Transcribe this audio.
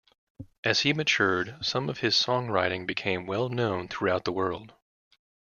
As he matured, some of his songwriting became well known throughout the world.